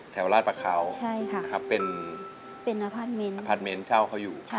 แถวราชปะเขาเป็นพระอาศัยเช่าเค้าอยู่ใช่ค่ะ